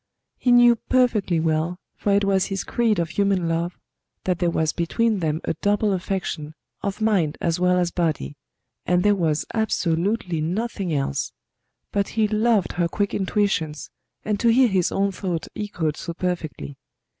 He knew perfectly well, for it was his creed of human love, that there was between them a double affection, of mind as well as body; and there was absolutely nothing else: but he loved her quick intuitions, and to hear his own thought echoed so perfectly.